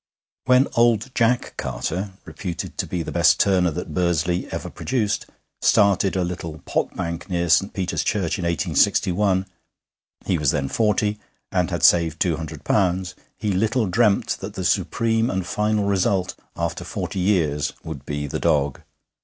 When old Jack Carter (reputed to be the best turner that Bursley ever produced) started a little potbank near St. Peter's Church in 1861 he was then forty, and had saved two hundred pounds he little dreamt that the supreme and final result after forty years would be the dog.